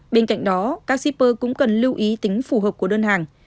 bên cạnh đó các shipper cũng cần lưu ý tính phù hợp của đơn hàng